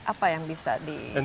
apa yang bisa diperlakukan